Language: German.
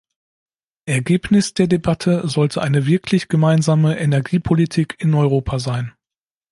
Ergebnis der Debatte sollte eine wirklich gemeinsame Energiepolitik in Europa sein.